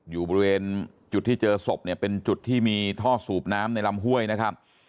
อยู่บริเวณจุดที่เจอศพเนี่ยเป็นจุดที่มีท่อสูบน้ำในลำห้วยนะครับ